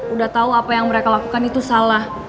udah tahu apa yang mereka lakukan itu salah